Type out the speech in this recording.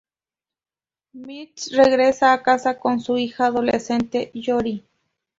Mitch regresa a casa con su hija adolescente, Jory.